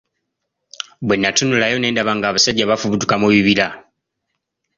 Bwe natunulayo ne ndaba ng'abasajja bafubutuka mu bibira.